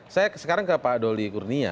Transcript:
saya sekarang ke pak doli kurnia